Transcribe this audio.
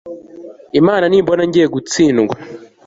imana, nimbona ngiye gutsindwa